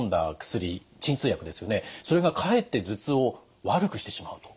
それがかえって頭痛を悪くしてしまうと。